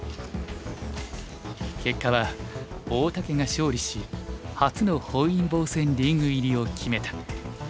結果は大竹が勝利し初の本因坊戦リーグ入りを決めた。